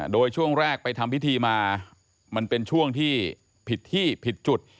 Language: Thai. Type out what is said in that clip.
โดยช่วงแรกไปทำพิธีมามันเป็นช่วงที่ผิดที่ผิดจุด